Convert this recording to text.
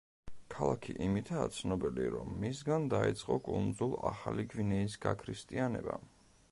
ქალაქი იმითაა ცნობილი, რომ მისგან დაიწყო კუნძულ ახალი გვინეის გაქრისტიანება.